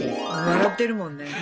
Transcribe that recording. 笑ってるもんね。